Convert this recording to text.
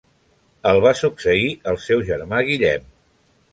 El va succeir el seu germà Guillem.